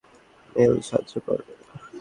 Mail, সাহায্য কর।